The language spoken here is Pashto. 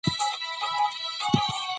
ماشوم د انا لاسونه په خپلو لاسو کې ونیول.